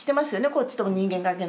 こっちとの人間関係。